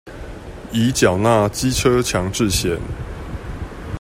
已繳納機車強制險